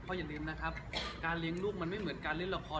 อย่าลืมนะครับการเลี้ยงลูกมันไม่เหมือนการเล่นละคร